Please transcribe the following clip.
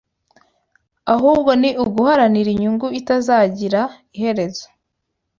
ahubwo ni uguharanira inyungu itazagira iherezo